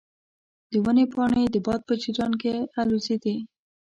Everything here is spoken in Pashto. د ونې پاڼې د باد په جریان کې الوزیدې.